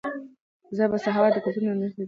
زه به سبا د کلتوري نندارتون لیدو ته لاړ شم.